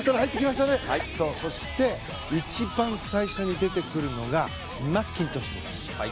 そして一番最初に出てくるのがマッキントッシュです。